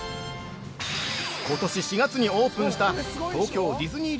ことし４月にオープンした東京ディズニー